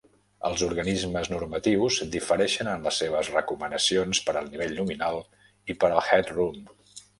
Els organismes normatius difereixen en les seves recomanacions per al nivell nominal i per al headroom.